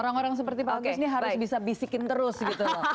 orang orang seperti pak agus ini harus bisa bisikin terus gitu loh